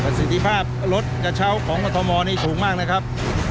ครับสิทธิภาพรถกระเช้าของทอมอร์นี้ถูกมากนะครับ